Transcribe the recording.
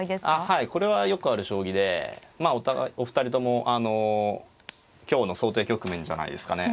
はいこれはよくある将棋でお二人とも今日の想定局面じゃないですかね。